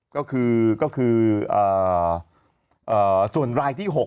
ก็คือเอ่อเอ่อส่วนดรายที่๖